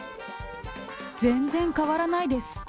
全然変わらないです。